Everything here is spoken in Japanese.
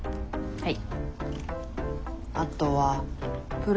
はい。